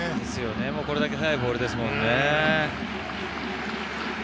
これだけ速いボールですもんね。